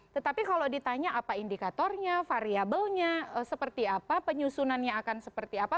tetapi kalau ditanya apa indikatornya variabelnya seperti apa penyusunannya akan seperti apa